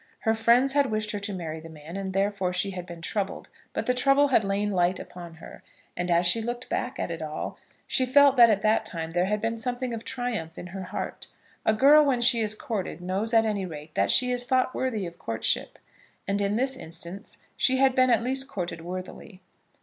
Her friends had wished her to marry the man, and therefore she had been troubled; but the trouble had lain light upon her, and as she looked back at it all, she felt that at that time there had been something of triumph at her heart. A girl when she is courted knows at any rate that she is thought worthy of courtship, and in this instance she had been at least courted worthily.